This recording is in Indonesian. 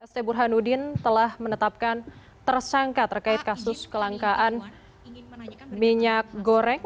saya ingin menetapkan tersangka terkait kasus kelangkaan minyak goreng